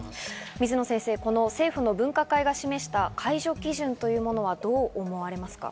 水野先生、この政府の分科会が示した解除基準というものはどう思われますか？